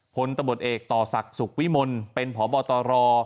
ผลตบตเอกต่อศักดิ์สุขวิมลเป็นผอบตร